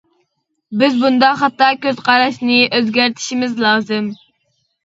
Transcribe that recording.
بىز بۇنداق خاتا كۆز قاراشنى ئۆزگەرتىشىمىز لازىم.